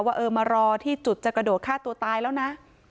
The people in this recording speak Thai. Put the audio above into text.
ว่าเออมารอที่จุดจะกระโดดฆ่าตัวตายแล้วนะ